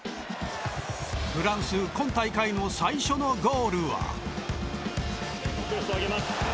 フランス今大会の最初のゴールは。